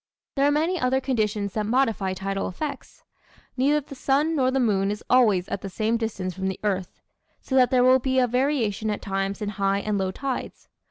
There are many other conditions that modify tidal effects. Neither the sun nor the moon is always at the same distance from the earth. So that there will be a variation at times in high and low tides.